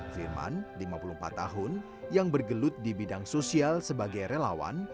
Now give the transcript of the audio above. firman lima puluh empat tahun yang bergelut dibidang sofal sebagai relawan